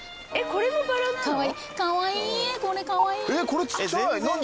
これちっちゃい何？